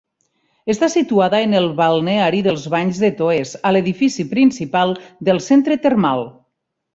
Està situada en el balneari dels Banys de Toès, a l'edifici principal del centre termal.